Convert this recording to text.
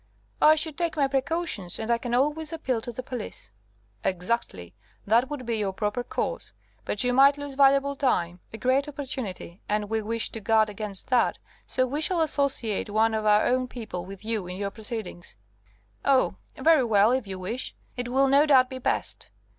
"I should take my precautions, and I can always appeal to the police." "Exactly. That would be your proper course. But you might lose valuable time, a great opportunity, and we wish to guard against that, so we shall associate one of our own people with you in your proceedings." "Oh! very well, if you wish. It will, no doubt, be best."